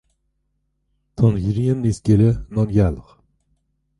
Tá an ghrian níos gile ná an ghealach,